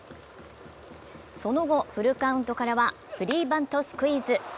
その後フルカウントからはスリーバントスクイズ。